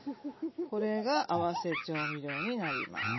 これが合わせ調味料になります。